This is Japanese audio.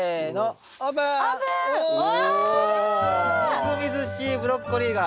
みずみずしいブロッコリーが！